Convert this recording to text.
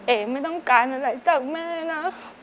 ไม่ต้องการอะไรจากแม่นะ